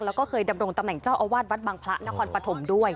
แล้วก็เคยดำรงตำแหน่งเจ้าอาวาสวัดบังพระนครปฐมด้วย